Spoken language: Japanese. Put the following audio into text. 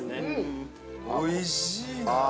◆おいしいなあ。